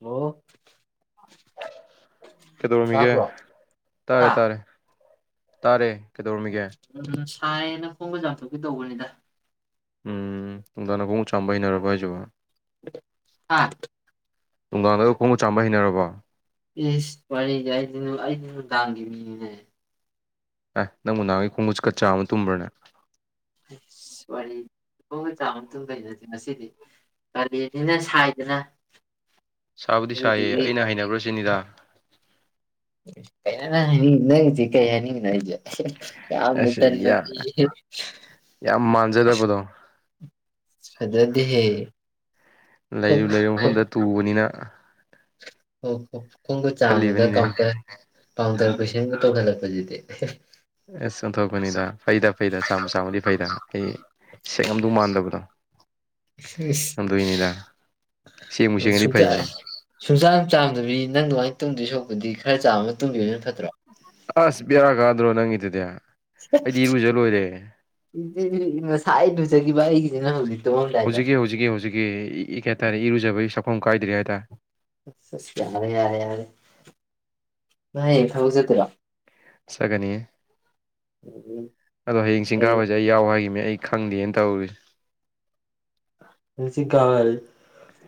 hello ꯀꯩꯗꯧꯔꯃꯤꯒ ꯇꯥꯕ꯭ꯔꯣ ꯇꯥꯔꯦ ꯍꯥ ꯇꯥꯔꯦ ꯇꯔꯦ ꯀꯩꯗꯧꯔꯝꯃꯤꯒꯦ ꯍꯥꯏꯌꯦꯅ ꯈꯣꯡꯕ ꯆꯥꯝꯊꯣꯛꯀꯦ ꯇꯧꯕꯅꯤꯗ ꯎꯝ ꯇꯨꯡꯗꯥ ꯅ ꯈꯣꯡ ꯆꯥꯝꯕ ꯍꯩꯅꯔꯕ ꯍꯥꯏꯁꯨꯕ ꯍꯥ ꯅꯨꯡꯗꯥꯡꯗꯒ ꯈꯣꯡꯕ ꯆꯥꯝꯕ ꯍꯩꯅꯔꯕ ꯏꯁ ꯄꯔꯒ ꯑꯩꯗꯤꯅ ꯑꯩꯗꯤ ꯅꯨꯡꯗꯥꯡꯈꯤꯕ ꯃꯤꯅꯦ ꯑꯦ ꯅꯪꯕꯨ ꯅꯍꯥꯟꯒꯤ ꯈꯣꯡꯎꯨꯠ ꯀꯆꯥ ꯑꯃ ꯇꯨꯝꯕ꯭ꯔꯅꯦ ꯋꯥꯔꯤ ꯂꯣꯡꯕ ꯆꯥꯕ ꯃꯇꯨꯡꯗꯗꯗꯤ ꯉꯁꯤꯗꯤ ꯀꯥꯂꯦꯟꯅꯤꯅ ꯁꯥꯏꯗꯅ ꯁꯥꯕꯨꯗꯤ ꯁꯥꯏꯌꯦ ꯑꯗꯨꯗꯨꯒꯤ ꯑꯩꯅ ꯍꯩꯅꯕꯔꯥ ꯁꯤꯅꯤꯗꯥ ꯀꯩꯅ ꯅꯪ ꯍꯥꯏꯅꯤ ꯅꯥꯪꯒꯤꯖꯦ ꯀꯩ ꯍꯥꯏꯅꯤꯡ ꯅꯩꯖꯦ ꯑꯁ ꯌꯥ ꯌꯥꯝ ꯃꯥꯟꯖꯗꯕꯗꯣ ꯐꯖꯗꯦꯍꯦ ꯂꯩꯔꯨ ꯂꯩꯔꯨ ꯃꯐꯝꯗ ꯇꯨꯕꯅꯤꯅ ꯑꯣ ꯍꯣ ꯈꯣꯡꯒ ꯆꯥꯝꯃꯗ ꯈꯜꯂꯤꯕꯅꯤꯅꯦ ꯀꯥꯎꯟꯇꯔ ꯀꯥꯎꯟꯇꯔ ꯀꯨꯏꯁꯟ ꯇꯧꯍꯜꯂꯛꯀꯦ ꯖꯗꯤ ꯑꯦꯁ ꯆꯣꯟꯊꯣꯛꯄꯅꯤꯗ ꯐꯩꯗ ꯐꯩꯗ ꯆꯥꯝꯃ ꯆꯥꯝꯃꯗꯤ ꯐꯩꯗ ꯑꯩ ꯁꯦꯡ ꯑꯝꯗꯧ ꯃꯥꯟꯗꯕꯗꯣ ꯑꯗꯨꯏꯅꯤꯗ ꯁꯦꯡꯕꯨ ꯁꯦꯡꯉꯗꯤ ꯁꯆ ꯐꯩꯃꯦ ꯁꯨꯡꯆꯥꯟ ꯆꯥꯝꯗꯕꯤ ꯅꯪ ꯂꯃꯥꯏ ꯇꯨꯝꯗꯣꯏ ꯁꯣꯛꯄꯗꯤ ꯈꯔ ꯆꯥꯕꯃ ꯇꯨꯝꯗꯕ ꯐꯠꯇ꯭ꯔꯣ ꯑꯁ ꯕꯦꯔꯥ ꯀꯗꯔꯣ ꯅꯪꯒꯤ ꯗꯨꯗꯦ ꯑꯩꯗꯤ ꯏꯔꯨꯖ ꯂꯣꯏꯔꯦ ꯉꯁꯥꯏꯗꯨꯖꯈꯤꯕ ꯑꯩꯒꯤꯁꯤꯅ ꯍꯧꯖꯤꯛ ꯇꯨꯝꯃꯝꯗꯥꯏꯗ ꯍꯧꯖꯤꯛꯀꯤ ꯍꯧꯖꯤꯛꯀꯤ ꯍꯧꯖꯤꯛꯀꯤ ꯏ ꯀ ꯍꯥꯏꯇꯥꯔꯦ ꯏꯔꯨꯖꯕꯒꯤ ꯐꯣꯡ ꯀꯥꯏꯗ꯭ꯔꯤ ꯍꯥꯏꯇꯥꯔꯦ ꯑꯁ ꯑꯁ ꯌꯥꯔꯦ ꯌꯥꯔꯦ ꯌꯥꯔꯦ ꯉꯥꯏ ꯍꯌꯦꯡ ꯐꯕ ꯆꯠꯇꯔꯣ ꯁꯒꯅꯤ ꯑꯗꯣ ꯍꯌꯦꯡ ꯆꯤꯡ ꯀꯩ ꯀꯥꯕꯁꯦ ꯑꯩ ꯌꯥꯎ ꯍꯥꯏꯈꯤꯕꯅꯤ ꯑꯩ ꯈꯪꯗꯦꯅ ꯇꯧꯏ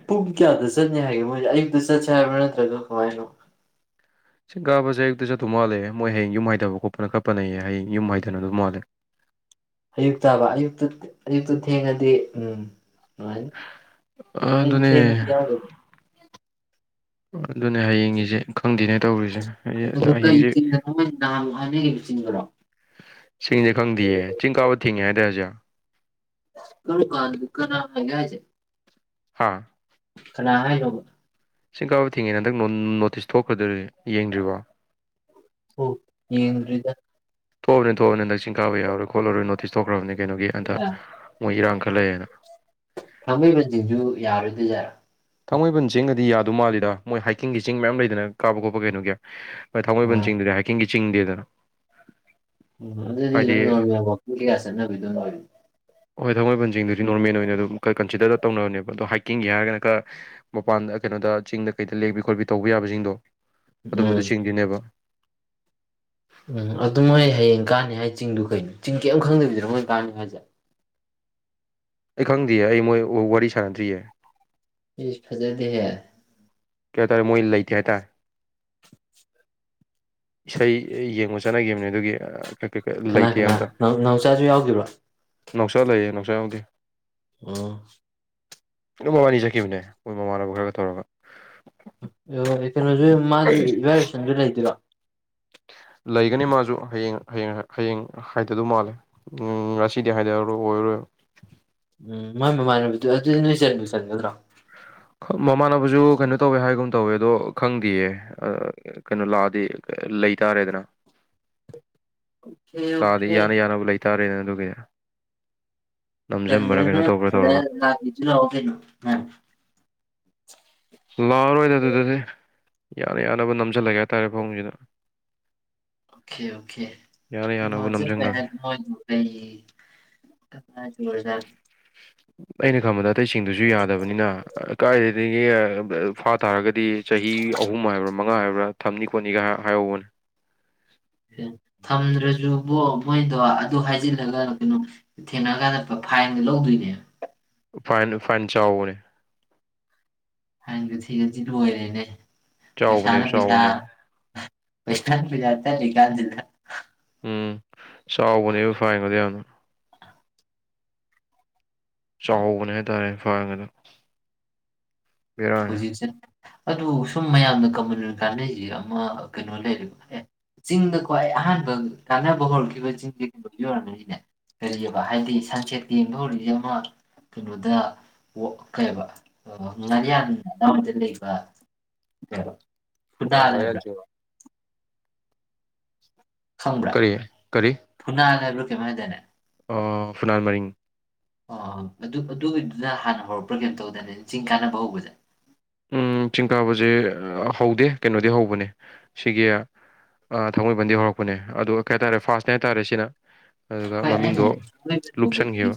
ꯄꯨꯡ ꯀꯌꯥꯗ ꯆꯠꯅꯤ ꯍꯥꯏꯒꯦ ꯃꯣꯏꯁꯦ ꯑꯌꯨꯛꯇ ꯆꯠꯁꯦ ꯍꯥꯏꯕ꯭ꯔꯥ ꯅꯠꯇ꯭ꯔꯒ ꯀꯃꯥꯏꯅꯣ ꯁꯤꯡ ꯀꯥꯕꯁꯦ ꯑꯌꯨꯛꯇꯁꯨ ꯑꯗꯨꯝ ꯃꯥꯜꯂꯦ ꯃꯣꯏ ꯍꯌꯦꯡ ꯌꯨꯝ ꯍꯩꯊꯕ ꯈꯣꯠꯄꯅ ꯈꯠꯄꯅ ꯍꯌꯦ ꯍꯌꯦꯡ ꯌꯨꯝ ꯍꯩꯗꯅ ꯑꯗꯨꯝ ꯃꯥꯜꯂꯦ ꯑꯌꯨꯛ ꯇꯕ ꯑꯌꯨ ꯑꯌꯨꯛꯇꯨ ꯊꯦꯡꯉꯗꯤ ꯎꯝ ꯑ ꯈ ꯑꯗꯨꯅꯦ ꯐꯦꯁ ꯌꯥ ꯑꯗꯨꯅꯦ ꯍꯌꯦꯡꯉꯤꯁꯦ ꯈꯪꯗꯦꯅꯦ ꯇꯧꯔꯤꯁꯦ ꯍꯌꯦ- ꯀꯩ ꯍꯌꯦꯡꯁꯦ ꯆꯤꯡꯗꯅ ꯃꯣꯏ ꯍꯨ ꯍꯥꯏꯅꯈꯤꯕ ꯆꯤꯡꯕꯔꯣ ꯁꯤꯡꯁꯦ ꯈꯪꯗꯦꯌꯦ ꯆꯤꯡ ꯀꯥꯕ ꯊꯤꯡꯉꯦ ꯍꯥꯏꯇꯥꯔꯖꯤꯛ ꯀ ꯀ ꯂ ꯀꯅꯥꯒꯦ ꯍꯥꯥ ꯀꯅꯥ ꯍꯥꯏꯅꯣꯕ ꯆꯤꯡ ꯀꯥꯕ ꯊꯤꯡꯉꯦ ꯍꯟꯗꯛ ꯅꯣꯇꯤꯁ ꯊꯣꯛꯈ꯭ꯔꯗꯣꯔꯤꯗꯤ ꯍ ꯌꯦꯟꯔꯤꯗ ꯊꯣꯛꯑꯅꯤ ꯊꯣꯛꯑ ꯍꯟꯗꯛꯤꯡ ꯀꯥ ꯌꯥꯔꯣꯏ ꯈꯣꯠꯂꯔꯣꯏ ꯅꯣꯇꯤꯁ ꯊꯣꯛꯈ꯭ꯔꯕꯅꯤ ꯀꯩꯅꯣꯒꯤ ꯑꯟꯗ ꯃꯣꯏ ꯏꯔꯥꯡ ꯈꯜꯂꯛꯑꯦꯅ ꯑꯗꯨꯒꯕꯤꯖꯔ ꯊꯥꯡꯃꯩꯕꯟ ꯆꯤꯡꯒꯗꯤ ꯌꯥꯗꯣꯏ ꯃꯥꯜꯂꯤꯗ ꯃꯣꯏ ꯍꯥꯏꯀꯤꯡꯒꯤ ꯆꯤꯡ ꯃꯌꯥꯝ ꯂꯩꯗꯅ ꯀꯥꯕ ꯈꯣꯠꯄ ꯀꯩꯅꯣꯒꯤ ꯍꯣꯏ ꯊꯥꯡꯃꯕꯟꯁꯤꯡꯗꯨꯗꯤ ꯍꯥꯏꯀꯤꯡꯒꯤ ꯆꯤꯡꯤꯡ ꯗꯦꯗꯔ ꯑꯣ ꯑꯗꯨꯗꯤ ꯑꯗꯨꯝ ꯅꯃꯦ ꯀꯌꯥꯁ ꯅꯕꯤ ꯑꯗꯨꯝ ꯑꯣꯏ ꯍꯣꯏ ꯊꯥꯡꯃꯩꯕꯟꯁꯤꯡꯗꯨꯗꯤ ꯅꯣꯔꯃꯦꯜ ꯑꯣꯏꯅ ꯑꯗꯨꯝ ꯈꯔ ꯀꯟꯁꯤꯗꯔꯗ ꯇꯧꯅꯕꯅꯦꯕ ꯑꯗꯣ ꯍꯥꯏꯀꯤꯡꯒꯤ ꯍꯥꯏꯔꯒꯅ ꯈꯔ ꯃꯄꯥꯟꯗ ꯀꯩꯅꯣꯗ ꯆꯤꯡꯗ ꯀꯩꯗ ꯂꯦꯛꯄꯤ ꯈꯣꯠꯄꯤ ꯇꯧꯕ ꯌꯥꯕꯁꯤꯡꯗꯣ ꯑꯗꯨꯝꯕ ꯑꯗꯨ ꯎꯝ ꯆꯤꯡꯗꯣꯏꯅꯦꯕ ꯎꯝ ꯑꯗꯨ ꯃꯣꯏ ꯍꯌꯦꯡ ꯀꯥꯟꯅꯤ ꯍꯥꯏ ꯆꯤꯡꯗꯨ ꯀꯩꯅꯣ ꯆꯤꯡ ꯀꯔꯤꯝ ꯈꯪꯗꯕꯤꯗꯔ ꯃꯣꯏ ꯀꯥꯅꯤ ꯍꯥꯏꯁꯦ ꯑꯩ ꯈꯪꯗꯦꯌꯦ ꯑꯩ ꯃꯣꯏ ꯋꯥꯔꯤ ꯁꯥꯟꯅꯗ꯭ꯔꯤꯌꯦ ꯏ ꯐꯖꯗ ꯍꯥꯏ ꯀ ꯇꯔ ꯃꯏꯜ ꯂꯣꯏꯇ ꯇ ꯏꯁꯩ ꯌꯦꯡꯉꯣ ꯆꯠꯅꯈꯤꯕꯅꯦ ꯑꯗꯨꯒꯤ ꯀꯩ ꯀꯅꯥ ꯂꯩꯇꯦ ꯀꯅꯥ ꯅꯥꯎꯆꯥꯁꯨ ꯌꯥꯎꯈꯤꯕ꯭ꯔꯣ ꯅꯨꯡꯎꯁꯥ ꯂꯩꯌꯦ ꯅꯨꯡꯎꯁꯥ ꯌꯥꯎꯗꯦ ꯑꯥ ꯑꯗꯨꯝ ꯃꯕꯥꯅꯤ ꯆꯠꯈꯤꯕꯅꯦ ꯃꯣꯏ ꯃꯃꯥꯟꯅꯕ ꯈꯔꯒ ꯇꯧꯔꯒ ꯀꯩꯅꯣꯁꯨ ꯃꯥꯁꯨ ꯏꯚꯥꯏꯔꯦꯁꯟꯁꯨ ꯂꯩꯗꯣꯏꯔꯣ ꯂꯩꯒꯅꯤ ꯃꯥꯁꯨ ꯍꯌꯦꯡ ꯍꯌꯦꯡ ꯍꯌꯦꯡ ꯍꯥꯏꯊꯗꯧ ꯃꯥꯜꯂꯦ ꯉꯁꯤꯗꯤ ꯍꯥꯏꯊꯔꯣꯏ ꯑꯣꯏꯔꯣꯏ ꯎꯝ ꯃꯥꯏ ꯃꯃꯥꯟꯕꯤꯗꯨ ꯑꯗꯨꯗꯤ ꯅꯣꯏ ꯆꯟꯂꯣꯏ ꯆꯟꯒꯗ꯭ꯔꯣ ꯃꯃꯥꯟꯅꯕꯁꯨ ꯀꯩꯅꯣ ꯇꯧꯋꯦ ꯍꯥꯏꯒꯨꯝ ꯇꯧꯋꯦ ꯑꯗꯣ ꯈꯪꯗꯦꯌꯦ ꯀꯩꯅꯣ ꯂꯥꯛꯑꯗꯤ ꯂꯩꯇꯥꯔꯦꯗꯅ ꯑꯣꯀꯦ ꯂꯥꯛꯑꯗꯤ ꯑꯣꯀꯦ ꯌꯥꯅ ꯌꯥꯅꯕ ꯂꯩꯇꯥꯔꯦ ꯆꯒ ꯆ꯭ꯔꯒ ꯂꯥꯛꯆ ꯂꯒꯅ ꯂꯥꯛꯑꯔꯣꯏꯗ ꯑꯗꯨꯗꯗꯤ ꯌꯥꯅ ꯌꯥꯅꯕ ꯅꯝꯁꯤꯜꯂꯒꯦ ꯍꯥꯏꯇꯥꯔꯦ ꯐꯧꯁꯤꯗ ꯑꯣꯀꯦ ꯌꯥꯅꯕ ꯑꯣꯀꯦ ꯅꯝꯁꯤꯟꯈ꯭ꯔꯒꯦ ꯀꯩꯅꯣ ꯀ ꯎ ꯑꯩꯩꯅ ꯀꯃꯗ ꯑꯇꯩꯁꯤꯡꯗꯨꯁꯨ ꯌꯥꯗꯕꯅꯤꯅ ꯀꯥꯏꯗ ꯑꯩꯗꯒꯤ ꯐꯥ ꯇꯥꯔꯒꯗꯤ ꯆꯍꯤ ꯑꯍꯨꯝ ꯍꯥꯏꯕ꯭ꯔ ꯃꯉꯥ ꯍꯥꯏꯕ꯭ꯔꯥ ꯊꯝꯅꯤ ꯈꯣꯠꯅꯤꯒ ꯍꯥꯏꯍꯧꯕꯅꯦ ꯊꯝꯗ꯭ꯔꯁꯨꯕꯣ ꯃꯣꯏꯗꯣ ꯑꯗꯨ ꯍꯥꯏꯖꯤꯜꯂꯒ ꯀꯩꯅꯣ ꯊꯦꯡꯅꯔꯀꯥꯟꯗ ꯐꯥꯏꯟꯒ ꯂꯧꯗꯣꯏꯅꯦ ꯐ ꯐꯟꯆꯥꯥꯅꯦ ꯍꯪ ꯊ ꯆꯖꯤꯗꯨ ꯑꯣꯏꯔꯅꯦ ꯆꯥꯎꯕꯅꯦꯕ ꯄꯩꯁꯥꯅ ꯄꯩꯁꯥ ꯆꯥꯎꯕꯅꯦꯕ ꯄꯩꯁꯅ ꯄꯁ ꯥꯟꯖꯤ [unintelligible] ꯎꯝ ꯆꯥꯎꯕꯅꯦꯕ ꯐꯥꯏꯒꯗꯤ ꯌꯥꯝꯅ ꯆꯥꯎꯕꯅꯦ ꯍꯥꯏꯇꯥꯔꯦ ꯐꯥꯉꯗ ꯍꯧꯖꯤꯁ ꯑꯗꯨ ꯁꯨꯝ ꯃꯌꯥꯝꯅ ꯀꯃꯟ ꯀꯥꯟꯅꯔꯤꯁꯦ ꯑꯃ ꯀꯩꯅꯣ ꯂꯩꯔꯦꯕ ꯑꯦ ꯆꯤꯡꯗ ꯈ꯭ꯋꯥꯏ ꯑꯍꯥꯟꯕ ꯀꯥꯟꯅꯕ ꯍꯧꯔꯛꯈꯤꯕ ꯆꯤꯡꯁꯦ ꯀꯩꯅꯣ ꯌꯧꯔꯝꯃꯅꯤꯅꯦ ꯀꯔꯤꯑꯕ ꯍꯥꯏꯗꯤ ꯁꯟꯁꯦꯠ ꯌꯦꯡꯕ ꯍꯧꯔꯤꯛꯁꯦ ꯑꯃ ꯀꯩꯅꯣꯗ ꯀꯩꯕ ꯉꯥꯔꯤꯌꯟ ꯂꯩ ꯑ ꯀꯣ [unintelligible] ꯑꯣ ꯃꯔ ꯌꯥ ꯆ ꯈꯪꯕ꯭ꯔꯥ ꯀꯔꯤ ꯀꯔꯤ ꯄꯨꯅꯥꯅ ꯃꯗꯅꯦ [unintelligible] ꯐꯨꯅꯥꯜ ꯃꯔꯤꯡ ꯑ ꯑꯗꯨ ꯑꯗꯨꯒꯤꯗꯨꯅ ꯍꯥꯟꯅ ꯍꯧꯔꯛꯄ꯭ꯔꯥ ꯀꯩꯝ ꯇꯧꯗꯅꯦ ꯆꯤꯡ ꯀꯥꯟꯅꯕ ꯍꯧꯕꯁꯦ ꯎ ꯆꯤꯡꯀꯥꯕꯁꯦ ꯍꯧꯗꯦ ꯀꯩꯅꯣꯗꯤ ꯍꯧꯕꯅꯦ ꯁꯤꯒꯤ ꯊꯥꯡꯃꯩꯕꯟꯗꯒꯤ ꯍꯧꯔꯛꯄꯅꯦ ꯑꯣ ꯀꯩ ꯍꯥꯏ ꯇꯥꯔꯦ ꯐꯥꯁꯅꯦ ꯍꯥꯏ ꯇꯥꯔꯦ ꯁꯤꯅ ꯑꯗꯨꯒ ꯣꯏ ꯃꯃꯤꯡꯗꯣ ꯂꯨꯞꯁꯟꯈꯤꯕ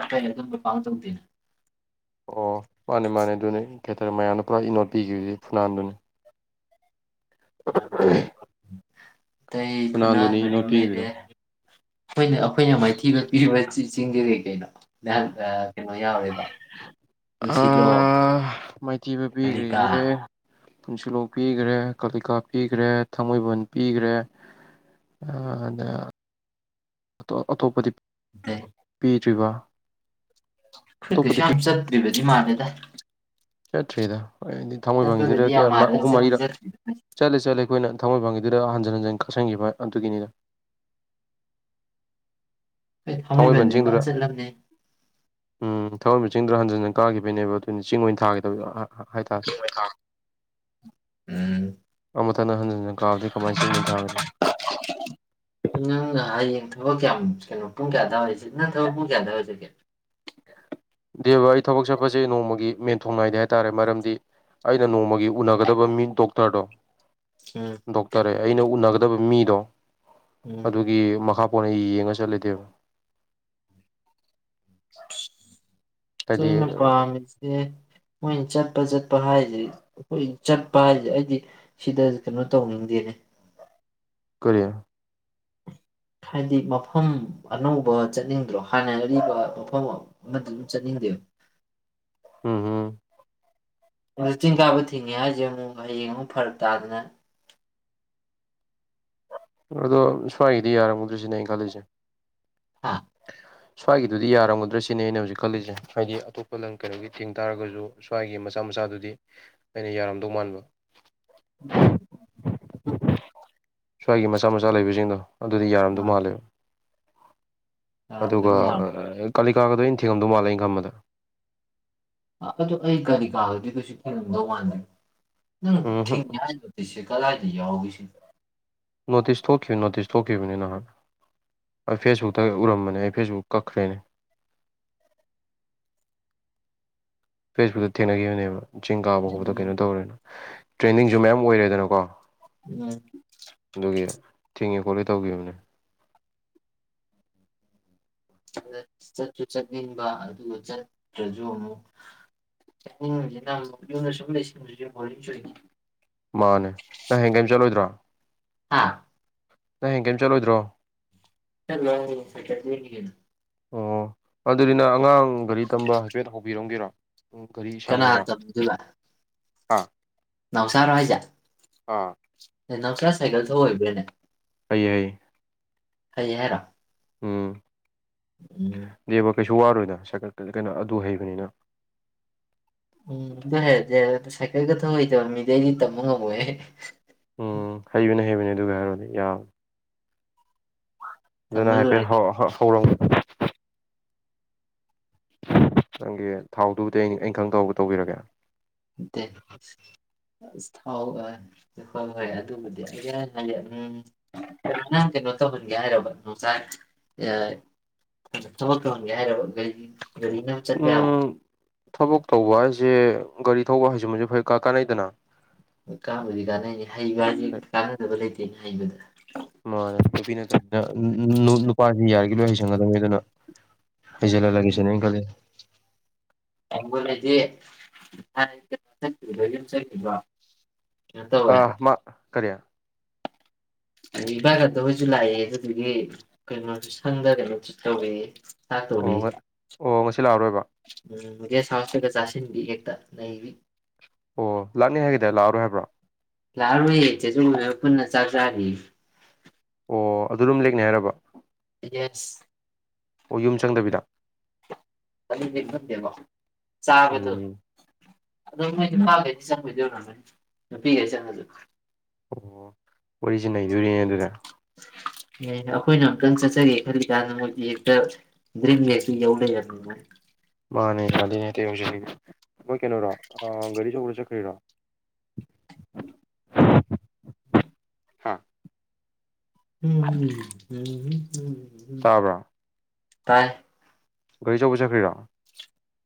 ꯀ ꯄꯥꯡ ꯆ [unintelligible] ꯑꯣ ꯃꯥꯅꯦ ꯃꯥꯅꯦ ꯑꯗꯨꯅꯦ ꯀꯦꯇꯔꯦ ꯃꯌꯥꯝꯅ ꯄꯨꯔꯥ ꯏꯅꯣꯠ ꯄꯤꯈꯤꯕꯁꯦ ꯐꯨꯅꯥꯟꯗꯨꯅꯤ ꯑꯇꯩ ꯐꯨꯅꯥ ꯐꯨꯅꯥꯟꯗꯨꯅꯤ ꯏꯅꯣꯠ ꯃꯔꯤꯝ ꯄꯤꯈꯤꯕꯗꯣ ꯂꯩꯔꯦ ꯍꯅꯦ ꯑꯩꯈꯣꯏꯅ ꯃꯥꯏꯊꯤꯕ ꯄꯤꯔꯤꯕ ꯑꯁꯤ ꯆꯁꯤꯡꯖꯦꯔꯤ ꯀꯩꯅꯣ ꯀꯩꯅꯣ ꯌꯥꯎꯔꯦꯕꯣ ꯄꯨꯟꯁꯤꯂꯣꯡꯝ ꯑꯥ ꯃꯥꯏꯊꯤꯕ ꯑꯂꯤꯀꯥ ꯄꯤꯈ꯭ꯔꯤꯁꯦ ꯄꯨꯟꯁꯤꯂꯣꯛ ꯄꯤꯈ꯭ꯔꯦ ꯀꯥꯂꯤꯀꯥ ꯄꯤꯈ꯭ꯔꯦ ꯊꯥꯡꯃꯩꯕꯟ ꯄꯤꯈ꯭ꯔꯦ ꯑꯗ ꯑꯇꯣꯞꯄꯗꯤ ꯄꯤꯗ꯭ꯔꯤꯕ ꯈ ꯑꯇꯣꯞꯄꯗꯤ ꯀꯁꯝ ꯆꯠ ꯕꯤꯔꯣꯖꯤ ꯃꯥꯅꯦꯗ ꯆ ꯊꯔꯤꯗ ꯍꯣꯏꯗꯤ ꯊꯥꯡꯃꯣꯏꯕꯪꯒꯤꯗꯨꯗ ꯌꯥꯝ ꯀꯌꯥ ꯃꯥꯜꯂꯦ ꯑꯍꯨꯝ ꯆꯠꯇꯤ ꯃꯔꯤꯗ ꯆꯠꯇ꯭ꯔꯤꯗ ꯆꯠꯂꯦ ꯆꯠꯂꯦ ꯑꯩꯈꯣꯏꯅ ꯊꯥꯡꯃꯣꯏꯕꯪꯒꯤꯗ ꯑꯗꯨꯗ ꯍꯟꯖꯤꯟ ꯍꯟꯖꯤꯟ ꯈꯛꯆꯟꯈꯤꯕ ꯑꯗꯨꯒꯤꯅꯤꯅ ꯍꯣꯏ ꯊꯥꯡꯃꯩꯕꯟꯗꯗꯤ ꯊꯥꯡꯃꯩꯕꯟꯁꯤꯡꯗꯨꯗ ꯐꯖꯅ ꯆꯠꯂꯝꯅꯤ ꯎꯝ ꯊꯧꯔꯝ ꯃꯤꯁꯤꯡꯗꯨꯗꯣ ꯍꯟꯖꯤꯟꯟꯅ ꯀꯥꯈꯤꯕꯅꯦꯕ ꯑꯗꯨꯅꯤ ꯆꯤꯡ ꯑꯣꯏꯅ ꯊꯥꯒꯗ ꯍꯥꯏꯇꯥꯔꯦ ꯎꯝ ꯑꯃꯨꯊꯪꯅ ꯍꯟꯖꯤꯟ ꯍꯟꯅ ꯀꯥꯕꯗꯤ ꯀꯃꯥꯏꯅ ꯆꯤꯡ ꯑꯣꯏꯅ ꯊꯥꯒꯗ ꯅꯪ ꯍꯌꯦꯡ ꯊꯕꯛ ꯀꯌꯥꯝ ꯀꯩꯅꯣ ꯄꯨꯡ ꯀꯌꯥꯗꯋꯥꯏꯔꯤꯁꯤꯦ ꯅꯠꯇ꯭ꯔꯒ ꯄꯨꯡ ꯀꯌꯥꯗꯋꯥꯏ ꯑꯣꯏꯁꯤꯒꯦ ꯗꯦ ꯕ ꯑꯩ ꯊꯕꯛ ꯆꯠꯄꯁꯦ ꯅꯣꯡꯃꯒꯤ ꯃꯦꯟꯊꯣꯡꯅꯥꯏꯗꯦ ꯍꯥꯏꯇꯥꯔꯦ ꯃꯔꯝꯗꯤ ꯑꯩꯅ ꯅꯣꯡꯃꯒꯤ ꯎꯅꯒꯗꯕ ꯃꯤ ꯗꯣꯛꯇꯔꯗꯣ ꯎꯝ ꯗꯣꯛꯇꯔꯦ ꯑꯩꯅ ꯎꯅꯒꯗꯕ ꯃꯤ ꯗꯣ ꯎꯝ ꯑꯗꯨꯒꯤ ꯃꯍꯥꯛ ꯀꯣꯟꯅ ꯌꯦꯡꯉ ꯆꯠꯂꯇꯦꯕ [inaudible] ꯑꯣꯏ ꯑꯩꯅ ꯄꯥꯝꯃꯤꯁꯦ ꯃꯣꯏꯅ ꯆꯠꯄ ꯆꯠꯄ ꯍꯥꯏꯁꯤꯗꯤ ꯑꯩꯈꯣꯏ ꯆꯠꯄ ꯍꯥꯏꯁꯦ ꯑꯩꯗꯤ ꯁꯤꯗ ꯀꯩꯅꯣ ꯇꯧꯅꯤꯡꯗꯦꯅꯦ ꯀꯔꯤꯌꯥ ꯍꯥꯏꯗꯤ ꯃꯐꯝ ꯑꯅꯧꯕ ꯆꯠꯅꯤꯡꯗ꯭ꯔꯣ ꯍꯥꯟꯅ ꯑꯔꯤꯕ ꯃꯐꯝ ꯑꯃꯗ ꯑꯗꯨꯝ ꯆꯠꯅꯤꯡꯗꯦ ꯎꯝ ꯎꯝ ꯆꯤꯡ ꯀꯥꯕ ꯊꯤꯡꯉꯦ ꯍꯥꯏꯁꯦ ꯑꯃꯨꯛ ꯍꯌꯦꯡ ꯑꯃꯨꯛ ꯐꯔꯛ ꯇꯥꯗꯅ ꯑꯗꯣ ꯁ꯭ꯋꯥꯏꯒꯤꯗꯤ ꯌꯥꯔꯝꯃꯨꯗ꯭ꯔꯔꯤ ꯁꯤꯅꯦ ꯑꯩꯩꯅ ꯈꯜꯂꯤꯁꯦ ꯍꯥꯥ ꯁ꯭ꯋꯥꯏꯒꯤꯗꯨꯗꯤ ꯌꯥꯔꯝꯒꯗ꯭ꯔ ꯁꯤꯅꯤ ꯑꯩꯅ ꯍꯧꯖꯤꯛ ꯈꯜꯂꯤꯁꯦ ꯍꯥꯏꯗꯤ ꯑꯇꯣꯞꯄ ꯂꯪ ꯀꯩꯅꯣꯒꯤ ꯊꯦꯡ ꯇꯥꯔꯒꯁꯨ ꯁ꯭ꯋꯥꯏꯒꯤ ꯃꯆꯥ ꯃꯆꯥꯗꯨꯗꯤ ꯑꯩꯅ ꯌꯥꯔꯝꯗꯧ ꯃꯥꯟꯕ ꯑꯗꯨ ꯁ꯭ꯋꯥꯏꯒꯤ ꯃꯆꯥ ꯃꯆꯥ ꯂꯩꯕꯁꯤꯡꯗꯣ ꯑꯗꯨꯗꯤ ꯌꯥꯔꯝꯗꯧ ꯑꯥ ꯃꯥꯜꯂꯦꯕ ꯑꯗꯨꯒ ꯌꯥꯔꯝꯒꯅꯤ ꯌꯥꯝ ꯀ ꯀꯥꯒꯗꯣꯏ ꯑꯅ ꯊꯤꯉꯝꯗꯧ ꯃꯥꯜꯂꯦ ꯏꯪ ꯈ ꯑꯃꯗ ꯑꯗꯨ ꯑꯩ ꯒꯥꯔꯤ ꯀꯥꯂꯗꯤ ꯀꯩꯁꯨ ꯊꯤꯉꯥꯝꯝꯗꯧ ꯋꯥꯂ ꯎꯝ ꯊ ꯎꯝꯍꯨꯝ ꯅꯌꯥꯤꯁꯤꯦ ꯀꯗꯥ [unintelligible] ꯑ ꯌꯥꯎꯒꯤꯁꯤ ꯅꯣꯇꯤꯁ ꯊꯣꯛꯈꯤꯕ ꯅꯣꯇꯤꯁ ꯊꯣꯛꯈꯤꯕꯅꯤ ꯅꯍꯥꯛ ꯑꯩ ꯐꯦꯁꯕꯨꯛꯇ ꯎꯔꯝꯕꯅꯦ ꯑꯩ ꯐꯦꯁꯕꯨꯛ ꯀꯛꯈ꯭ꯔꯦꯅꯦ ꯐꯦꯁꯕꯨꯛꯇ ꯊꯦꯡꯅꯈꯤꯕꯅꯦꯕ ꯆꯤꯡ ꯀꯥꯕ ꯈꯣꯠꯄꯗ ꯀꯩꯅꯣ ꯎꯝ ꯇꯧꯔꯦꯅ ꯇ꯭ꯔꯦꯟꯗꯤꯡꯁꯨ ꯃꯌꯥꯝ ꯑꯣꯏꯔꯦꯗꯅꯀꯣ ꯎꯝ ꯑꯗꯨꯒꯤ ꯆꯤꯡꯉꯤ ꯈꯣꯠꯂ ꯇꯧꯈꯤꯕꯅꯦ ꯆꯠꯁꯨ ꯆꯠꯅꯤꯡꯕ ꯑꯗꯨꯒ ꯆꯠꯇ꯭ꯔꯁꯨ ꯑꯃꯨꯛ ꯆꯠꯅꯤꯡꯕꯁꯤꯅ ꯑꯃꯨꯛ ꯌꯨꯝꯗ ꯁꯨꯝ ꯂꯩꯁꯤꯟꯕꯁꯨ ꯍꯣꯂꯤ ꯁꯣꯏ ꯃꯥꯅꯦ ꯅꯪ ꯍꯦꯟ ꯀꯩꯝ ꯆꯠꯂꯣꯏꯗ꯭ꯔꯥ ꯍꯥꯥ ꯅꯪ ꯍꯌꯦꯡ ꯀꯔꯤꯝ ꯆꯠꯂꯣꯏꯗ꯭ꯔꯣ ꯒꯅ [unintelligible] ꯑꯣ ꯑꯗꯨꯗꯤ ꯅ ꯑꯉꯥꯡ ꯒꯥꯔꯤ ꯇꯝꯕ ꯍꯥꯏꯐꯦꯠ ꯍꯧꯕꯤꯔꯝꯒꯦꯔꯣ ꯄꯨꯡ ꯀꯔꯤ ꯀꯅꯥ ꯁꯪꯒꯗ꯭ꯔꯥ ꯍꯥꯥ ꯅꯧꯁꯥꯔ ꯍꯥꯏ ꯍꯥꯏꯖ ꯑꯦ ꯅꯅꯥꯎꯁꯥ ꯁꯥꯏꯀꯜ ꯊ ꯍꯩꯏꯕ꯭ꯔꯥꯅꯦ ꯍꯩ ꯍ ꯍꯩ ꯍꯥꯏꯔꯥ ꯎꯝ ꯕꯀꯦ [unintelligible] ꯖꯨꯋꯥꯔ ꯑꯣꯏꯅ ꯁꯥꯏꯀꯠ ꯀꯩꯅꯣ ꯑꯗꯨ ꯍꯩꯕꯅꯤꯅ ꯎꯝꯗ ꯍꯦ ꯁꯥꯏꯀꯦꯜ ꯀꯊ ꯍꯇꯥꯕ ꯃꯤ ꯂꯩꯔꯤ ꯇ ꯃ ꯉꯃꯦ ꯎꯝ ꯍꯩꯕꯤꯅꯦ ꯍꯩꯕꯤꯅꯦ ꯑꯗꯨꯒ ꯍꯥꯏꯔꯗꯤ ꯌꯥꯝ ꯇꯝꯕ ꯑꯗꯨꯅ ꯍꯥꯏꯐꯦꯠ ꯂꯣꯏꯔꯦ ꯀꯩꯅꯣ ꯍꯧꯔꯝ ꯅꯪꯒꯤ ꯊꯥꯎꯗꯨꯕꯨꯗꯤ ꯑꯩ ꯑꯩ ꯈꯪ ꯇꯒ ꯇꯧꯕꯤꯔꯒꯦ ꯑꯁ ꯊꯥꯎ ꯍꯣꯏ ꯍꯣꯏ ꯑꯗꯨꯕꯨꯗꯤ ꯑꯩ ꯍꯥꯏꯗꯤꯝ ꯅꯪ ꯀꯩꯅꯣ ꯇꯧꯍꯟꯒꯦ ꯍꯥꯏꯔꯕ ꯅꯨꯡꯖꯥꯛ ꯊꯕꯛ ꯇꯧꯍꯟꯒꯦ ꯍꯥꯏꯔꯕ ꯑꯩꯩ ꯊꯕꯛ ꯇꯧꯕ ꯍꯥꯏꯁꯦ ꯒꯥꯔꯤ ꯊꯧꯕ ꯍꯥꯏꯁꯤꯃꯁꯨ ꯐ ꯀ ꯀꯥꯟꯅꯩꯗꯅ ꯀꯥꯕꯨꯖꯤ ꯀꯥꯅ ꯍꯩꯕꯗꯤ ꯀꯥꯟꯅꯗꯕ ꯂꯩꯇꯦ ꯍꯥꯏꯕꯗ ꯃꯥꯅꯦ ꯅꯨꯄꯤ ꯅꯠꯇꯅꯤꯅ ꯅꯨꯄꯥꯁꯤ ꯌꯥꯔꯤꯒ ꯂꯣꯏ ꯍꯩꯁꯟꯒꯗꯕꯅꯤ ꯑꯗꯨꯅ ꯍꯩꯖꯜꯍꯜꯂꯒꯦꯁꯅꯦ ꯑꯅ ꯈꯜꯂꯤ ꯑꯒꯣ ꯂꯩꯗꯤ [unintelligible] ꯌ ꯆꯠꯈꯤꯕ꯭ꯔꯣ ꯑ ꯃꯥ ꯀꯔꯤꯌꯥ ꯑ ꯏꯚꯥ ꯈꯠꯇ ꯍꯣꯏꯁꯨ ꯂꯥꯛꯑꯦ ꯑꯗꯨꯗꯒꯤ ꯀꯩꯅꯣꯁꯨ ꯁꯪꯗ ꯀꯩꯅꯣꯁꯨ ꯇꯧꯔꯦ ꯊꯥꯛ ꯇꯧꯗꯤ ꯁꯤ ꯂꯥꯛꯑꯔꯣꯏꯕ ꯃꯦ ꯁꯥꯁꯇ꯭ꯔꯒ ꯆꯥꯁꯤꯟꯕꯤ ꯑꯦꯛꯇ ꯅꯕꯤ ꯑꯣ ꯂꯥꯛꯅꯤ ꯍꯥꯏꯒꯦꯗ ꯂꯥꯛꯑꯔꯣꯏ ꯍꯥꯏꯕ꯭ꯔꯣ ꯂꯥꯛꯔꯨꯌꯦ ꯆꯦꯁꯨ ꯄꯨꯟꯅ ꯆꯥꯛ ꯆꯔꯤ ꯑꯣ ꯑꯗꯨ ꯑꯗꯨꯝ ꯂꯦꯛꯅꯤ ꯍꯥꯏꯔꯕ ꯌꯦꯁ ꯑꯣ ꯌꯨꯝ ꯆꯪꯗꯕꯤꯗ ꯀ ꯌꯦꯚ ꯗꯦꯕ ꯆꯕꯗꯨ ꯎꯝ ꯑꯗꯣ ꯃꯣꯏ ꯅꯨꯄꯥꯈꯩꯗꯤ ꯆꯪꯉꯣꯏꯗꯧꯔ ꯅꯣꯏ ꯅꯨꯄꯤꯈꯩ ꯆꯪꯉꯁꯨ ꯑꯣ ꯑꯣꯔꯤꯖꯤꯅꯦꯜ ꯌꯨꯔꯤꯟ ꯑꯗꯨꯗ ꯑꯦ ꯑꯩꯈꯣꯏꯅ ꯑꯨꯛꯇꯪ ꯆꯠꯆꯒꯦ ꯈꯜꯂꯤ ꯀꯥꯟꯗ ꯃꯣꯏ ꯕꯦꯛꯇ ꯗ꯭ꯔꯤꯝ ꯕꯦꯒꯛꯇꯨ ꯌꯧ ꯂꯩꯔꯅꯤꯃꯥꯏꯅ ꯃꯥꯅꯦ ꯀꯂꯤꯅꯦꯠꯇ ꯍꯧꯁꯤꯔꯤ ꯃꯣꯏ ꯀꯩꯅꯣꯔꯣ ꯒꯥꯔꯤ ꯁ ꯆꯈꯔꯣ ꯎ [inaudible] ꯍꯥꯥ ꯎꯝ ꯎꯝ ꯎꯝ ꯎꯝ ꯇꯥꯏ ꯒꯥꯔꯤꯆꯧꯕ ꯆꯠꯈ꯭ꯔꯤꯔꯣ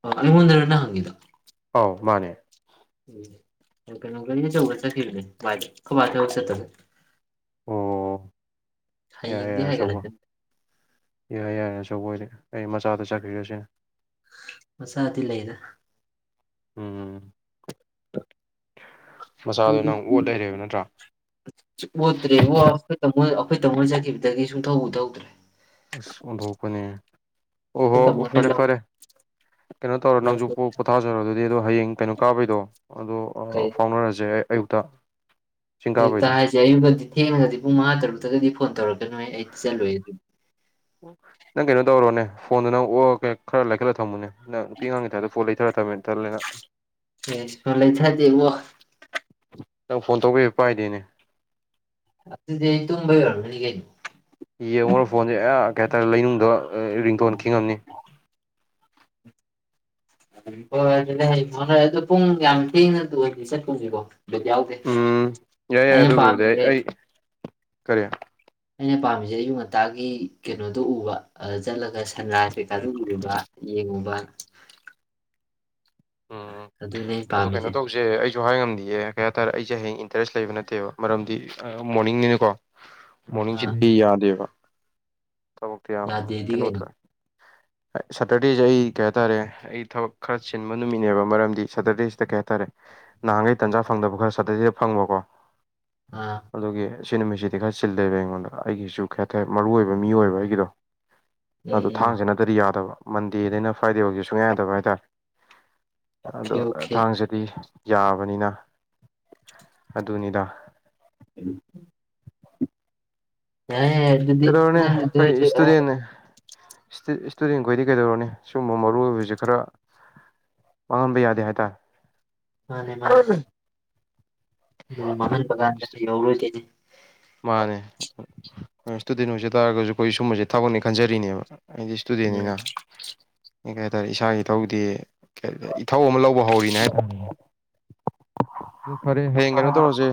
ꯑꯩꯉꯣꯟꯗꯥ ꯔꯥ ꯅꯪꯅ ꯍꯪꯏꯁꯨ ꯑꯧ ꯃꯥꯅꯦ ꯎ ꯆꯧ ꯈ ꯑꯊꯁ ꯇ ꯑꯣ ꯍꯥꯏ ꯏꯗꯤ ꯍꯥꯏ ꯀꯂ ꯌꯥꯏꯔꯦ ꯌꯥꯔꯦ ꯑꯆꯧꯕꯣꯏꯗꯤ ꯑꯩ ꯃꯆꯥꯗ ꯆꯠꯈꯤꯒꯁꯦ ꯃꯆꯥꯗꯤ ꯂꯩꯗ ꯎꯝ ꯃꯆꯥꯗꯣ ꯅꯪ ꯑꯣꯠ ꯂꯩꯔꯦꯕ ꯅꯠꯇ꯭ꯔꯥ ꯑꯣꯗ꯭ꯔꯦꯕ ꯑ ꯑꯩꯈꯣꯏ ꯇꯃꯣꯏꯖꯈꯤꯕꯗꯒꯤ ꯁꯨꯡꯊꯧꯕ ꯇꯧꯗ꯭ꯔꯦ ꯑꯩꯈꯣꯏ ꯑꯣ ꯍꯣ ꯇꯥꯃꯣꯅ ꯐꯔꯦ ꯂꯝ ꯐꯔꯦ ꯀꯩꯅꯣ ꯇꯧꯔꯣ ꯂꯝ ꯅꯪꯁꯨ ꯄꯣꯊꯥꯖꯔꯣ ꯑꯗꯨꯗꯤ ꯑꯗꯣ ꯍꯌꯦꯡ ꯀꯩꯅꯣ ꯀꯥꯄꯤꯩꯗꯣ ꯑꯗꯣ ꯀꯩ ꯐꯥꯎꯅꯔꯁꯦ ꯑꯩ ꯑꯌꯨꯛꯇ ꯆꯤꯡ ꯑꯌꯨꯛꯇ ꯀꯥꯕꯩꯗꯣ ꯍꯥꯏꯁꯦ ꯑꯌꯨꯛꯛꯇꯗꯤ ꯊꯦꯡꯉꯒꯗꯤ ꯄꯨꯡ ꯃꯉꯥ ꯇꯔꯨꯛꯇꯒꯗꯤ ꯐꯣꯟ ꯇꯧꯔꯛꯀꯦ ꯅꯪ ꯀꯩꯅꯣ ꯇꯧꯔꯣꯅꯦ ꯐꯣꯟꯗꯨꯣ ꯅꯪ ꯑꯣꯛꯔ ꯀꯦ ꯈꯔ ꯂꯩꯈꯠꯂꯒ ꯊꯝꯃꯨꯅꯦ ꯄꯤꯉꯥꯡꯦꯗ ꯐꯣꯜ ꯊꯔ ꯇꯝꯃꯤꯅ ꯇꯂꯅ ꯑꯦꯁꯂꯦ ꯊꯗꯤꯦ ꯋꯥ ꯅꯪ ꯐꯣꯟ ꯇꯧꯕꯤꯕ ꯄꯥꯏꯗꯦꯅꯦ ꯑꯗꯤ ꯇꯕꯩ ꯋꯥꯒꯅꯤ ꯀꯅꯤ ꯌꯦ ꯃꯣꯔ ꯐꯣꯟ ꯀꯩ ꯍꯥꯏꯇꯥꯔꯦ ꯂꯩꯅꯨꯡꯗꯣ ꯔꯤꯡꯒꯣꯟꯈꯤꯅꯤ ꯑꯗꯨꯗꯤ ꯍ ꯑꯗꯨ ꯄꯨꯡ ꯌꯥꯝ ꯊꯤꯅ ꯑꯣꯏ ꯆꯠꯄꯨꯁꯤꯀꯣ ꯗꯤ ꯌꯥꯎꯗꯦ ꯎꯝ ꯑꯩꯅ ꯄꯥꯝꯃꯤꯁꯦ ꯀꯔꯤꯦ ꯑꯩꯅ ꯄꯥꯝꯃꯤꯁꯦ ꯑꯌꯨꯛ ꯉꯟꯇꯥꯒꯤ ꯀꯩꯅꯣꯗꯣ ꯎꯕ ꯆꯠꯂꯒ ꯁꯟ ꯔꯥꯏ ꯀꯩꯀꯥꯗꯔꯤꯕ ꯌꯦꯡꯉꯨꯕ ꯎꯝ ꯑꯗꯨꯅꯦ ꯑꯩ ꯑ ꯀꯩꯅꯣ ꯄꯥꯝꯃꯤꯁꯦ ꯇꯧꯁꯦ ꯑꯩ ꯁꯁꯨ ꯍꯥꯏ ꯉꯝꯗꯌꯦ ꯀꯩ ꯍꯥꯏꯇꯥꯔꯦ ꯑꯩꯁꯦ ꯍꯌꯦꯡ ꯏꯟꯇꯔꯦꯁ ꯂꯩꯕ ꯅꯠꯇꯦꯕ ꯃꯔꯝꯗꯤ ꯃꯣꯔꯅꯤꯡꯅꯤꯅꯀꯣ ꯃꯣꯔꯅꯤꯡ ꯑꯥ ꯁꯤꯤ ꯌꯥꯗꯦꯕ ꯇꯃꯛꯇꯌꯥ ꯌꯥꯗꯦꯗꯤ ꯀꯩꯅꯣ ꯀꯅꯗ꯭ꯔꯦ ꯁꯦꯇꯔꯗꯤꯦꯖ ꯑꯩ ꯀꯦꯇꯥ ꯔꯦ ꯑꯩ ꯊꯕꯛ ꯈꯔ ꯆ ꯅꯨꯃꯤꯠꯅꯦꯕ ꯃꯔꯝꯗꯤ ꯁꯇꯔꯗꯦꯁꯤꯗ ꯀꯩ ꯍꯥꯏꯇꯥꯔꯦ ꯅꯍꯥꯟꯈꯩ ꯇꯥꯟꯖꯥ ꯐꯪꯗꯕ ꯈꯔ ꯁꯇꯔꯗꯦꯗ ꯐꯪꯕꯀꯣ ꯑꯥ ꯑꯗꯨꯒꯤ ꯁꯤ ꯅꯨꯃꯤꯠꯁꯤꯗꯤ ꯈꯔ ꯆꯤꯜꯂꯦꯕ ꯑꯩꯉꯣꯟꯗ ꯑꯩꯒꯤꯁꯨ ꯈꯔꯇꯔ ꯃꯔꯨ ꯑꯣꯏꯕ ꯃꯤ ꯑꯣꯏꯕ ꯑꯩꯒꯤꯗꯣ ꯎꯝ ꯑꯗꯨ ꯎꯝ ꯊꯥꯡꯁꯤꯅꯠꯇꯗꯤ ꯌꯥꯗꯕ ꯃꯟꯗꯦꯗꯩꯅ ꯐ꯭ꯔꯥꯏꯗꯦꯐꯥꯎꯒꯤ ꯁꯨꯡꯌꯥꯥꯏ ꯌꯥꯗꯕ ꯍꯥꯏꯇꯥꯔꯦ ꯑꯣꯀꯦ ꯑꯗꯣ ꯑꯣꯀꯦ ꯊꯥꯡꯁꯤꯗꯤ ꯌꯥꯕꯅꯤꯅ ꯑꯗꯨꯅꯤꯗ ꯎꯝ ꯑꯗꯤ ꯅꯗꯤ ꯆ [inaudible] ꯏꯁꯇꯨꯗꯦꯟꯈꯣꯏꯗꯤ ꯀꯩꯗꯧꯔꯅꯤ ꯁꯒꯨꯝꯕ ꯃꯔꯨ ꯑꯣꯏꯕꯕꯁꯤ ꯈꯔ ꯃꯥꯡꯍꯟꯕ ꯌꯥꯗꯦ ꯍꯥꯏꯇꯥꯔꯦ ꯃꯥꯅꯦ ꯃꯥꯅꯦ ꯎꯝ ꯃꯍꯟ ꯄꯀꯥꯟꯗ ꯑꯦꯧꯔꯣꯏ ꯊꯅꯤ ꯃꯥꯅꯦ ꯏꯁꯇꯨꯗꯦꯟ ꯑꯣꯏꯁ ꯇꯥꯔꯒꯁꯨ ꯑꯩꯈꯣꯏ ꯁꯨꯝꯕꯁꯦ ꯊꯥꯒꯠꯅꯦ ꯈꯟꯖꯔꯤꯅꯦꯕ ꯑꯩꯗꯤ ꯎꯝ ꯏꯁꯇꯨꯗꯦꯟꯅꯤꯅ ꯀ ꯀ ꯍꯥꯏꯇꯥꯔꯦ ꯏꯁꯥꯒꯤ ꯏ ꯊꯧꯗꯤ ꯏꯊꯧ ꯑꯃ ꯂꯧꯕ ꯍꯧꯔꯤꯅꯦ ꯍꯥꯏꯇꯥꯔꯦ ꯐꯔꯦ ꯍꯌꯦꯡ ꯀꯩꯅꯣ ꯇꯧꯔꯁꯦ